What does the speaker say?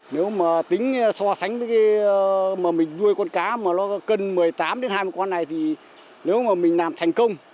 nếu mà tính so sánh với cái mà mình nuôi con cá mà nó cân một mươi tám hai mươi con này thì nếu mà mình làm thành công